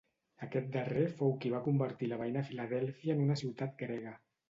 Aquest darrer fou qui va convertir la veïna Filadèlfia en una ciutat grega.